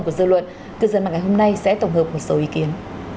của dư luận cư dân mạng ngày hôm nay sẽ tổng hợp một số ý kiến